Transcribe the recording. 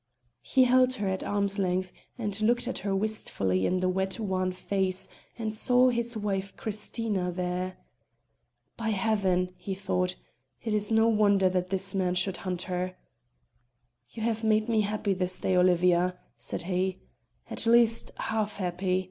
He held her at arm's length and looked at her wistfully in the wet wan face and saw his wife Christina there. "By heaven!" he thought, "it is no wonder that this man should hunt her." "You have made me happy this day, Olivia," said he; "at least half happy.